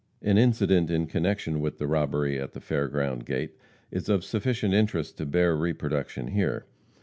An incident in connection with the robbery at the fair ground gate is of sufficient interest to bear reproduction here.